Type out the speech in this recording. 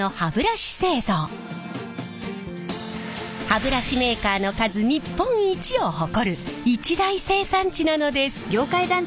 歯ブラシメーカーの数日本一を誇る一大生産地なのです。